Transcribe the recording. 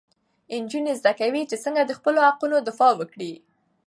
نجونې زده کوي چې څنګه د خپلو حقونو دفاع وکړي.